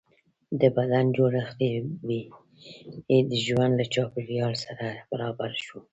د بدن جوړښت یې د ژوند له چاپېریال سره برابر شو.